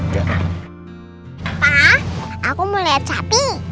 pak aku mau lihat sapi